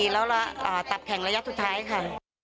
แล้วตับแข่งระยะสุดท้ายค่ะ